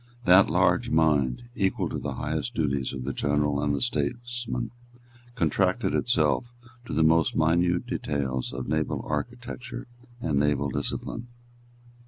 That large mind, equal to the highest duties of the general and the statesman, contracted itself to the most minute details of naval architecture and naval discipline.